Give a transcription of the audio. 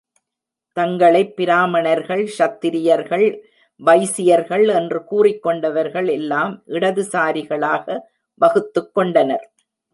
தங்களைப் பிராமணர்கள், க்ஷத்திரியர்கள், வைசியர்கள் என்று கூறிக்கொண்டவர்கள் எல்லாம் இடது சாரிகளாக வகுத்துக் கொண்டனர்.